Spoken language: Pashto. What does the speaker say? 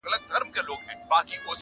په ما ډکي خزانې دي لوی بانکونه!.